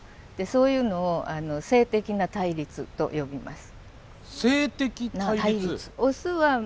そういうのを性的な対立と呼びます。